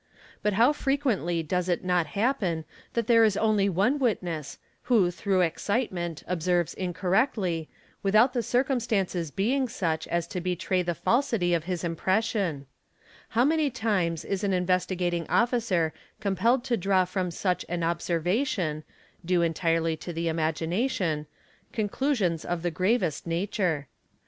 But how frequently does it not happen that there is only one witness who, through excitement, observes incorrectly, without the circumstances 'being such as to betray the falsity of his impression How many times is an Investigating Officer compelled to draw from such an "observation," due entirely to the imagination, conclusions of the gravest nature.